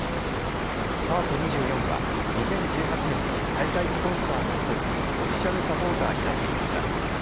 パーク２４は、２０１８年に大会スポンサーの１つオフィシャルサポーターになっていました。